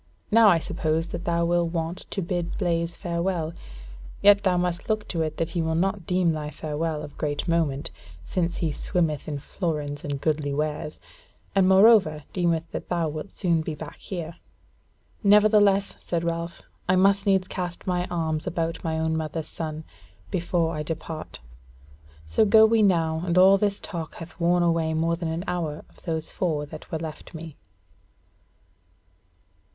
Now I suppose that thou will want to bid Blaise farewell: yet thou must look to it that he will not deem thy farewell of great moment, since he swimmeth in florins and goodly wares; and moreover deemeth that thou wilt soon be back here." "Nevertheless," said Ralph, "I must needs cast my arms about my own mother's son before I depart: so go we now, as all this talk hath worn away more than an hour of those four that were left me."